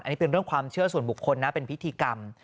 อันนี้เป็นเรื่องความเชื่อส่วนบุคคลนะเป็นพิธีกรรม